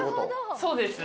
そうですね。